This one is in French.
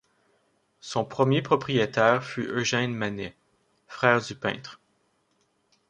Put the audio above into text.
Son premier propriétaire fut Eugène Manet, frère du peintre.